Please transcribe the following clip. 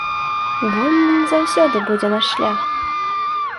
Вольным заўсёды будзе наш шлях!